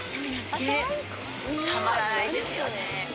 たまらないですよね。